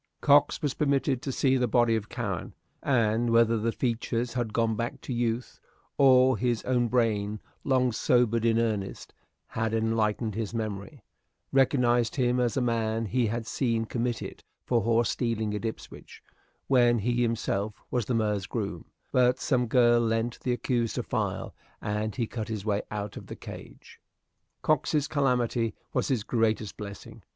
Cox was permitted to see the body of Cowen, and, whether the features had gone back to youth, or his own brain, long sobered in earnest, had enlightened his memory, recognized him as a man he had seen committed for horse stealing at Ipswich, when he himself was the mayor's groom; but some girl lent the accused a file, and he cut his way out of the cage. Cox's calamity was his greatest blessing.